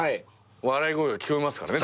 笑い声が聞こえますからね